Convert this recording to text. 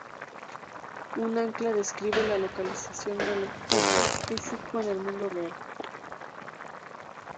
Un Ancla describe la localización del objeto físico en el mundo real.